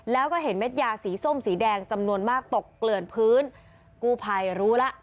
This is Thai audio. แล้วก็เห็นเม็ดยาสีส้มสีแดงจำนวนมากตกเกลื่อนพื้นกู้ภัยรู้แล้ว